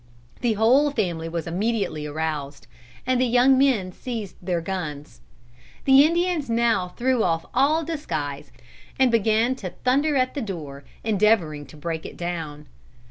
"The whole family was immediately aroused, and the young men seized their guns. The Indians now threw off all disguise, and began to thunder at the door, endeavoring to break it down.